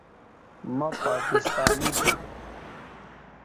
مہ پاکستانی تھو